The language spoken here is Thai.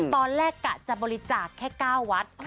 ตอนแรกจะบริจาคแค่๙วัด